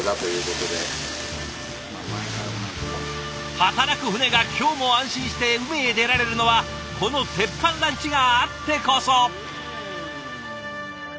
働く船が今日も安心して海へ出られるのはこの鉄板ランチがあってこそ。